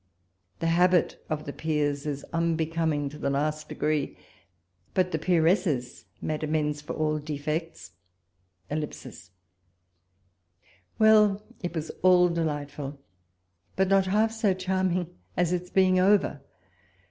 The habit of the peers is unbecoming to the last degree ; but the peeresses made amends for all defects. ... Well ! it was all delightful, but not half so charm ing as its being over.